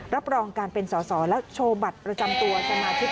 รับรองการเป็นสสและโชว์บัตรระจำตัวสมาชิกและทศพาด้วย